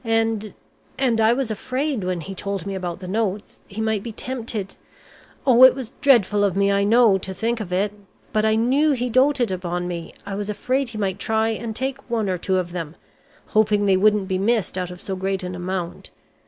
And and I was afraid when he told me about the notes, he might be tempted Oh! It was dreadful of me, I know, to think of it, but I knew he doted upon me, I was afraid he might try and take one or two of them, hoping they wouldn't be missed out of so great an amount.